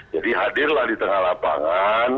jadi hadirlah di tengah lapangan